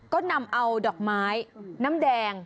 ก็นำเอาดอกไม้น้ำแดง